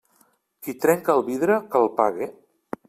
Qui trenca el vidre, que el pague.